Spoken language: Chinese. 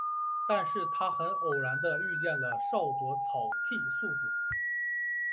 但是他很偶然地遇见了少佐草剃素子。